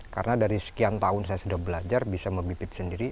karena dari sekian tahun saya sudah belajar bisa membibit sendiri